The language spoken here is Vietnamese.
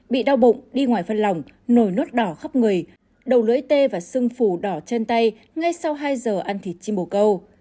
bị đau bụng đi ngoài phân lòng nổi nốt đỏ khắp người đầu lưỡi tê và xưng phủ đỏ trên tay ngay sau hai giờ ăn thịt chim bồ câu